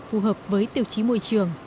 phù hợp với tiêu chí môi trường